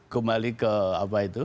kembali ke apa itu